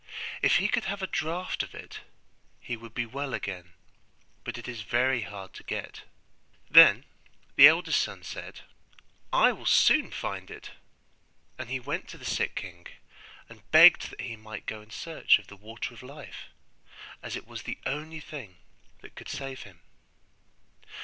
If he could have a draught of it he would be well again; but it is very hard to get.' Then the eldest son said, 'I will soon find it': and he went to the sick king, and begged that he might go in search of the Water of Life, as it was the only thing that could save him.